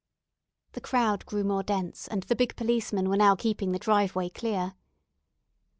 The crowd grew more dense and the big policemen were now keeping the driveway clear.